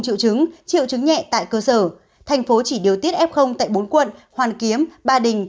triệu chứng triệu chứng nhẹ tại cơ sở thành phố chỉ điều tiết f tại bốn quận hoàn kiếm ba đình